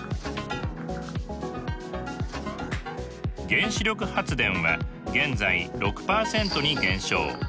原子力発電は現在６％に減少。